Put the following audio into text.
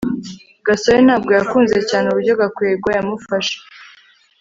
gasore ntabwo yakunze cyane uburyo gakwego yamufashe